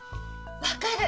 分かる！